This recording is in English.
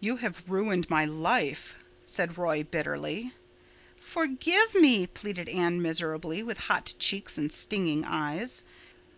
"You have ruined my life," said Roy bitterly. "Forgive me," pleaded Anne miserably, with hot cheeks and stinging eyes.